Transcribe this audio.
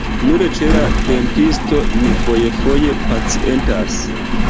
Nur ĉe la dentisto mi fojfoje pacientas.